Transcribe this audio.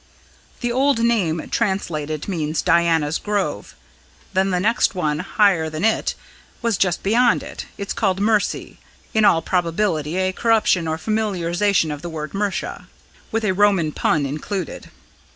"The old name translated means 'Diana's Grove.' Then the next one higher than it, but just beyond it, is called 'Mercy' in all probability a corruption or familiarisation of the word Mercia, with a Roman pun included.